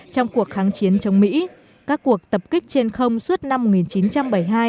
trong cuộc kháng chiến chống mỹ các cuộc tập kích trên không suốt năm một nghìn chín trăm bảy mươi hai